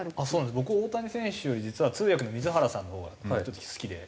僕大谷選手より実は通訳の水原さんのほうが好きで。